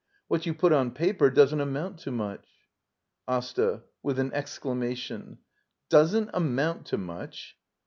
What you put on paper doesn't amount to much. AsTA. [With an exclamation.] Doesn't amount to much?